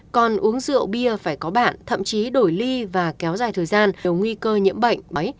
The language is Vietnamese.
còn uống rượu bia phải có bản thậm chí đổi ly và kéo dài thời gian đều nguy cơ nhiễm bệnh